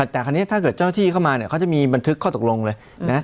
แต่คราวนี้ถ้าเกิดเจ้าที่เข้ามาเนี่ยเขาจะมีบันทึกข้อตกลงเลยนะ